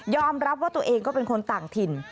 รับว่าตัวเองก็เป็นคนต่างถิ่น